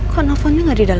kok nelfonnya gak didapet